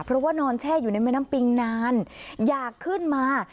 เพราะว่านอนแช่อยู่ในแม่น้ำปิงนานอยากขึ้นมา